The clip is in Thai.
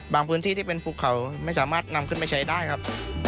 พื้นที่ที่เป็นภูเขาไม่สามารถนำขึ้นไปใช้ได้ครับ